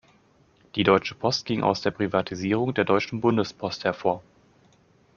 Die Deutsche Post ging aus der Privatisierung der Deutschen Bundespost hervor.